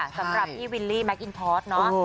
สำหรับพี่วิลลี่แมคอินทอร์สเนาะ